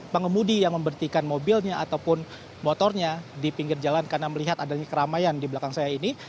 pengemudi yang membertikan mobilnya ataupun motornya di pinggir jalan karena melihat adanya keramaian di belakang saya ini